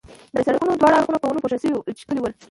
د سړک دواړه اړخونه په ونو پوښل شوي ول، چې ښکلي ول.